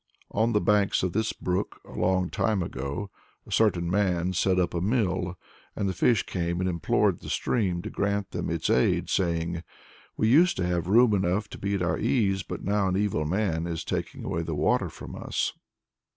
On the banks of this brook, a long time ago, a certain man set up a mill, and the fish came and implored the stream to grant them its aid, saying, "We used to have room enough and be at our ease, but now an evil man is taking away the water from us."